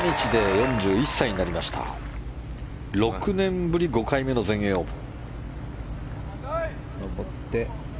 ６年ぶり５回目の全英オープン。